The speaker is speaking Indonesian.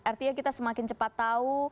artinya kita semakin cepat tahu